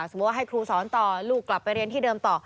สมมุติว่าให้ครูสอนต่อลูกกลับไปเรียนที่เดิมต่อ